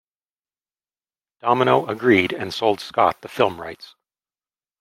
Domino agreed and sold Scott the film rights.